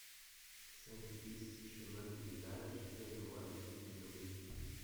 cinq BIS chemin du Village de Penhoat-Quinio